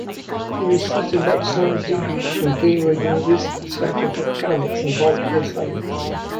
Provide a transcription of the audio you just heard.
He received a bachelor's degree from Cairo University's Faculty of Economics and Political Science.